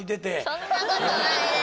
そんなことないです。